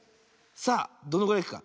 さあどのぐらいいくか。